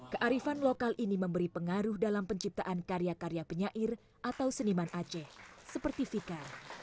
kearifan lokal ini memberi pengaruh dalam penciptaan karya karya penyair atau seniman aceh seperti vika